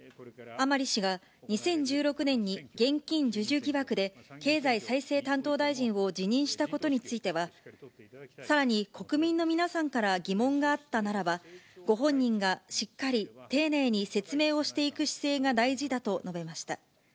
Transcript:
甘利氏が２０１６年に現金授受疑惑で経済再生担当大臣を辞任したことについては、さらに国民の皆さんから疑問があったならば、ご本人がしっかり丁寧に説明をしていく姿勢が大事だと述べました。